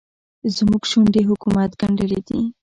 زموږ شونډې حکومت ګنډلې دي.